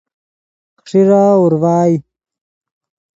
خݰیرا اورڤائے